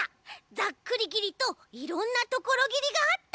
ざっくりぎりといろんなところぎりがあった！